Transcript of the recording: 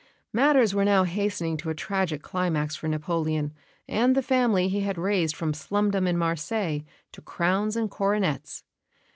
Matters were now hastening to a tragic climax for Napoleon and the family he had raised from slumdom in Marseilles to crowns and coronets.